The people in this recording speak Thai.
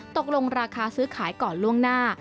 ตกลงราคาซื้อขายก่อนล่วงหน้า